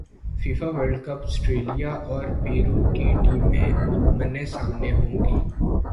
FIFA world cup سٹریلیا اور پیرو کی ٹیمیں منے سامنے ہوں گی